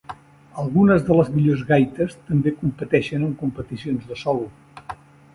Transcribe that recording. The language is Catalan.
Algunes de les millors gaites també competeixen en competicions de solo.